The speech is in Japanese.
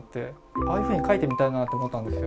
ああいうふうに描いてみたいなと思ったんですよ。